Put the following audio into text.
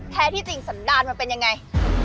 แท้ที่จริงสันดารมันเป็นยังไง